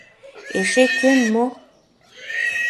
Эше кӧн мо?